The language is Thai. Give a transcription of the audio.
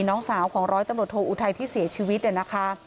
น้องสาวของร้อยตำรวจโทอุทัยที่เสียชีวิตเนี่ยนะคะ